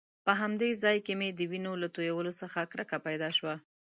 په همدې ځای کې مې د وینو له تويولو څخه کرکه پیدا شوه.